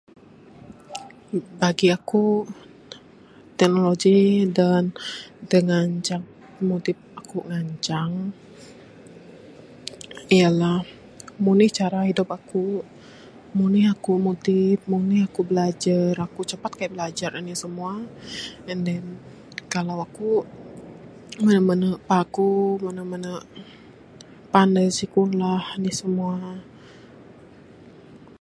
Bagi aku, teknologi da da ngancak pimudip aku lancang ialah mung nih cara hidup aku, mung nih aku mudip, mung nih aku bilajer. Aku capat kaik bilajer anih simua. And then kalau aku mene mene paguh, mene mene panai sikulah anih simua.